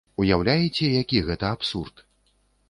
Уяўляеце, які гэта абсурд?